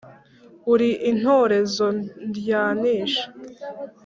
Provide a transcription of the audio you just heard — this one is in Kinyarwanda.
Uri intorezo ndwanisha